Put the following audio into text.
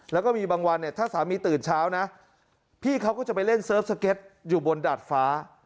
แล้วก็มีบางวันเนี่ยถ้าสามีตื่นเช้านะพี่เขาก็จะไปเล่นเซิร์ฟสเก็ตอยู่บนดาดฟ้า